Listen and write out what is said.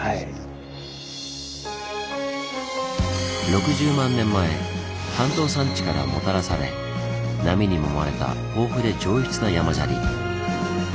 ６０万年前関東山地からもたらされ波に揉まれた豊富で上質な山砂利。